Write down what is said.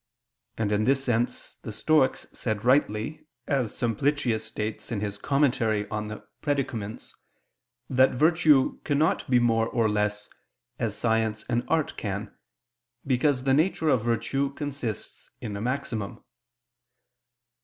And in this sense the Stoics said rightly, as Simplicius states in his Commentary on the Predicaments, that virtue cannot be more or less, as science and art can; because the nature of virtue consists in a maximum.